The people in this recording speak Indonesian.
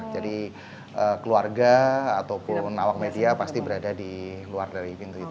jadi keluarga ataupun awak media pasti berada di luar dari pintu itu